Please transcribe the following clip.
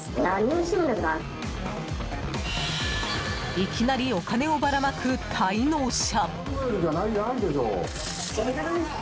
いきなりお金をばらまく滞納者。